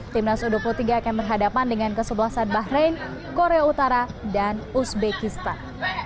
timnas u dua puluh tiga akan berhadapan dengan kesebelasan bahrain korea utara dan uzbekistan